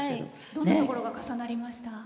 どんなところが重なりました？